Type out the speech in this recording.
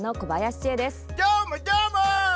どーも、どーも！